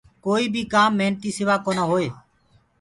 ڪوئي بي ڪآم محنتي سوآ ڪونآ هوئي۔